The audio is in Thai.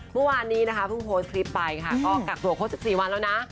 เมื่อวานนี้พึ่งโพสต์คลิปไปกลักตัวโค้ด๑๔วันแล้วนะ